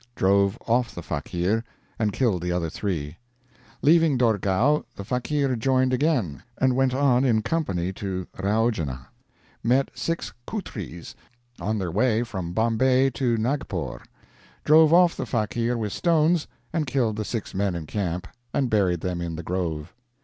Drove off the fakeer, and killed the other three. "Leaving Doregow, the fakeer joined again, and went on in company to Raojana; met 6 Khutries on their way from Bombay to Nagpore. Drove off the fakeer with stones, and killed the 6 men in camp, and buried them in the grove.